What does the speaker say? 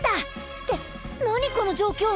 ってなにこの状況。